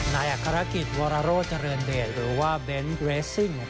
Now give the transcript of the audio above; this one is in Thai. นายกฤกษ์วอรโลจริงเดชน์หรือว่าเบนด์เวสซิ่ง